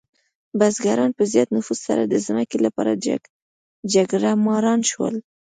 بزګران په زیات نفوس سره د ځمکې لپاره جګړهماران شول.